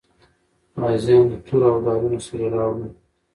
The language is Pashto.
غازیان د تورو او ډالونو سره راوړل.